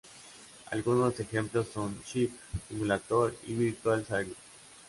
Algunos ejemplos son "Ship Simulator" y "Virtual Sailor".